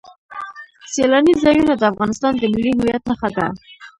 سیلاني ځایونه د افغانستان د ملي هویت نښه ده.